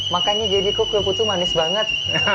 makannya jadi kok kue ku manis banget